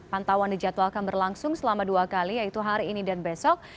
pantauan dijadwalkan berlangsung selama dua kali yaitu hari ini dan besok